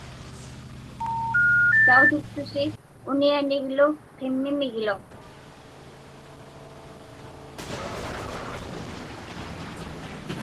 Tautuktusi unianiglu qimmimiglu.